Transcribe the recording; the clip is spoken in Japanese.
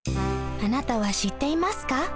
あなたは知っていますか？